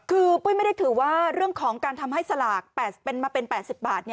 คือปุ้ยไม่ได้ถือว่าเรื่องของการทำให้สลากมาเป็น๘๐บาท